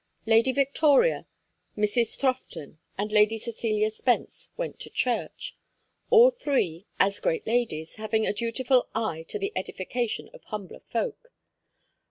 Lady Victoria, Mrs. Throfton, and Lady Cecilia Spence went to church; all three, as great ladies, having a dutiful eye to the edification of humbler folk.